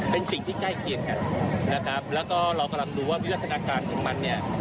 เป็นสิ่งที่ใกล้เคียงกันนะครับแล้วก็เรากำลังดูว่าวิวัฒนาการของมันเนี่ย